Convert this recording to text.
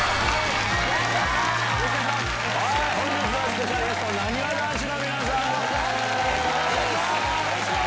本日のスペシャルゲスト、なにわ男子の皆さんです。